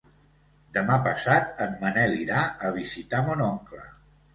Demà passat en Manel irà a visitar mon oncle.